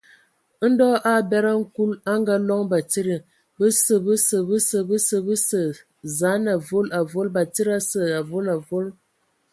Ndɔ a abed a nkul, a ngaaloŋ batsidi: bəsǝ, bəsǝ, bəsǝ, bəsǝ, bəsǝ, zaan avol, avol, batsidi asə, avol avol.